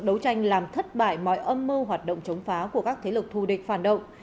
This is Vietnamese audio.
đấu tranh làm thất bại mọi âm mưu hoạt động chống phá của các thế lực thù địch phản động